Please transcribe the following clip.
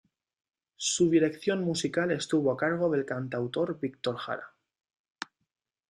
Su dirección musical estuvo a cargo del cantautor Víctor Jara.